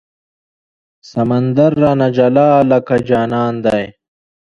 سمندر رانه جلا لکه جانان دی